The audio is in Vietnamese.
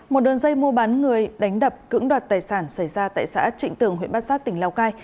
một đường dây mua bán người đánh đập cưỡng đoạt tài sản xảy ra tại xã trịnh tường huyện bát sát tỉnh lào cai